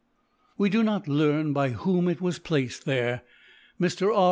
We do not learn by whom it was placed there — Mr. R.'